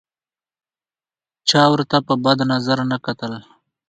چا ورته په بد نظر نه کتل.